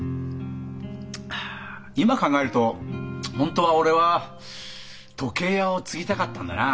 今考えると本当は俺は時計屋を継ぎたかったんだな。